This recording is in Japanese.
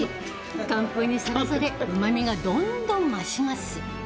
寒風にさらされうまみがどんどん増します。